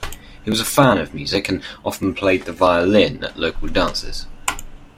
He was a fan of music, and often played the violin at local dances.